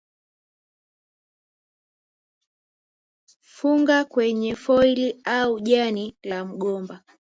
Funga kwenye foili au jani la mgomba